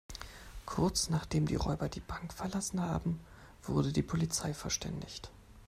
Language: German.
Kurz, nachdem die Räuber die Bank verlassen haben, wurde die Polizei verständigt.